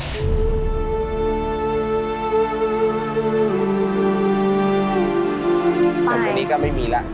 ไปจนตรงนี้ก็ไม่มีแล้ว